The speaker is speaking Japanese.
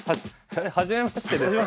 はじめましてですよね？